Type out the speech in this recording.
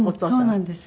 そうなんです。